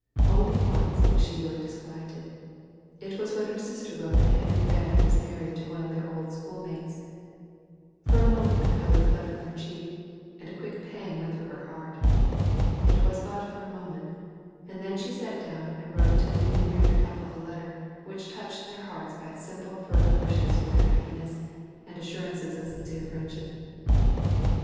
Only once was she really disquieted. It was when her sister wrote that Henry Rand was married to one of their old school mates. For a moment the color fled from her cheek, and a quick pang went through her heart. It was but for a moment; and then she sat down and wrote to the newly married couple a letter, which touched their hearts by its simple fervent wishes for their happiness, and assurances of sincere friendship.